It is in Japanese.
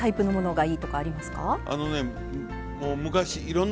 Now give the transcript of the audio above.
はい。